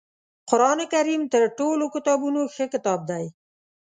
قرآنکریم تر ټولو کتابونو ښه کتاب دی